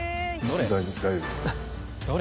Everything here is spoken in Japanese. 大丈夫です。